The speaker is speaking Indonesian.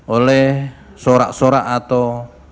oleh sorak sorak atau